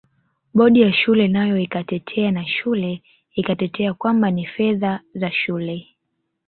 Bodi ya shule nayo ikatetea na shule ikatetea kwamba ni fedha za shule